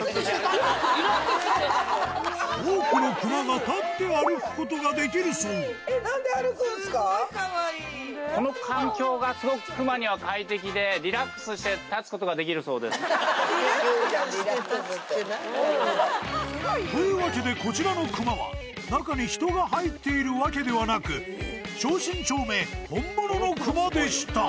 多くの熊が立って歩くことができるそうというわけでこちらの熊は中に人が入っているわけではなく正真正銘本物の熊でした